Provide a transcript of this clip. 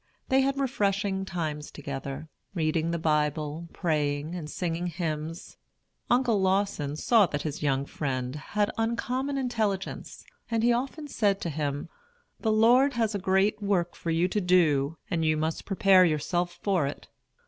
They had refreshing times together, reading the Bible, praying, and singing hymns. Uncle Lawson saw that his young friend had uncommon intelligence, and he often said to him, "The Lord has a great work for you to do, and you must prepare yourself for it."